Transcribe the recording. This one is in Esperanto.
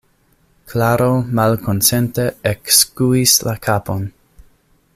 Klaro malkonsente ekskuis la kapon.